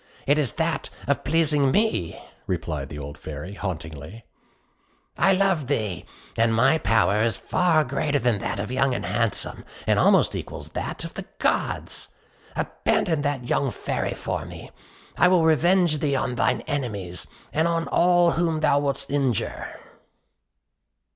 "It is that of pleasing me," replied the old Fairy, haughtily. "I love thee, and my power is far greater than that of Young and Handsome, and almost equals that of the Gods. Abandon that young Fairy for me. I will revenge thee on thine enemies, and on all whom thou wouldst injure."